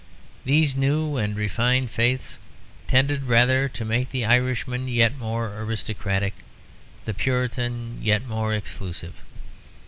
These new and refined faiths tended rather to make the Irishman yet more aristocratic, the Puritan yet more exclusive.